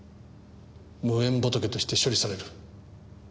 無縁仏として処理される。